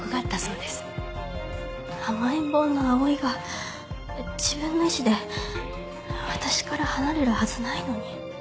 甘えん坊の碧唯が自分の意思で私から離れるはずないのに。